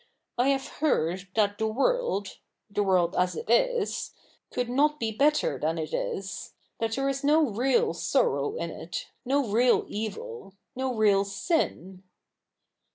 I have heard that the world — the world as it is — could not be better than it is ; that there is no real sorrow in it — no real evil — no real sin.'